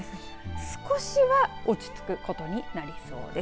少しは落ち着くことになりそうです。